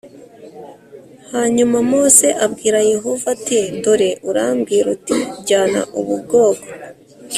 Hanyuma mose abwira yehova ati dore urambwira uti jyana ubu bwoko